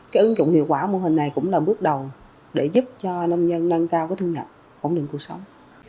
cái ứng dụng hiệu quả mô hình này cũng là bước đầu để giúp cho nông dân nâng cao cái thu nhập ổn định cuộc sống